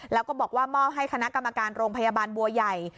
แล้วก็บอกว่ามอบให้คณะกรรมการโรงพยาบาลบัวใหญ่